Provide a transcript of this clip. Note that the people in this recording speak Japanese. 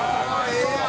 ええやん！」